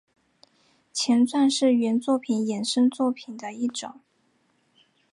前传是原作品衍生作品的一种。